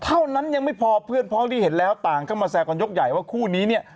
เท่านั้นยังไม่พอเพื่อนพร้อมที่เห็นแล้วต่างเข้ามาแซวกันยกใหญ่ว่าคู่นี้เนี่ย